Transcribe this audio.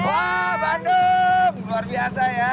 wah bandung luar biasa ya